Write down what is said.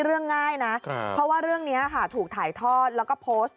เรื่องง่ายนะเพราะว่าเรื่องนี้ค่ะถูกถ่ายทอดแล้วก็โพสต์